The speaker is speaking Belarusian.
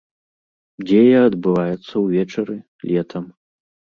Дзея адбываецца ўвечары, летам.